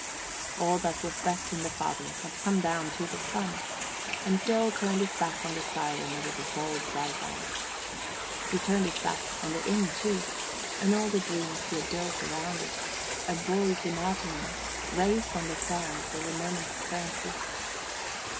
All that was best in the father had come down to the son, and Phil turned his back on the siren with the bold, bright eyes. He turned his back on the inn, too, and all the dreams he had built around it a boy's imaginings raised on the sands of a moment's fancy.